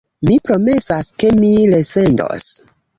Mi promesas, ke mi resendos.